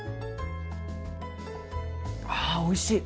あおいしい！